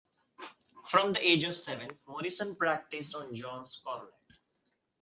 From the age of seven Morrison practised on John's cornet.